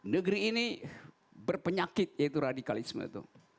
negeri ini berpenyakit yaitu radikalisme itu